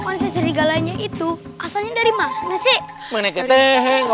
ya kan pasir serigalanya itu pasangan dari mana sih menikah app sama saya